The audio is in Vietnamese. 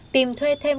tìm thuê thêm